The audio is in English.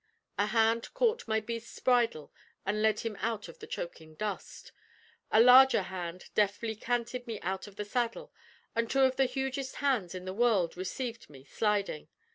A hand caught my beast's bridle and led him out of the choking dust; a larger hand deftly canted me out of the saddle, and two of the hugest hands in the world received me sliding.